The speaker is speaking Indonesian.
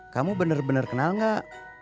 kamu bener bener kenal gak